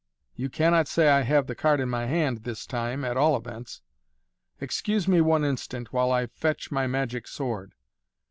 You cannot say I have the card in my hand this time, at all events. Excuse me one instant, while I fetch my magic sword."